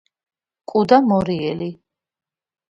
კუ და მორიელი